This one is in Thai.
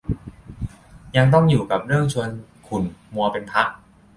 ยังต้องอยู่กับเรื่องชวนขุ่นมัวเป็นพัก